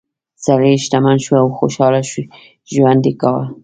سړی شتمن شو او خوشحاله ژوند یې کاوه.